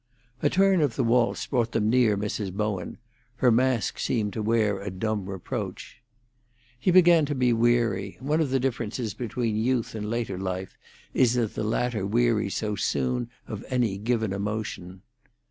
A turn of the waltz brought them near Mrs. Bowen; her mask seemed to wear a dumb reproach. He began to be weary; one of the differences between youth and later life is that the latter wearies so soon of any given emotion.